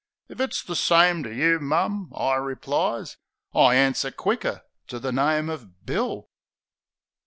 "If it's the same to you, mum," I replies "I answer quicker to the name of Bill."